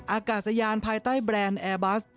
อากาศยานภายใต้แบรนด์แอร์บัส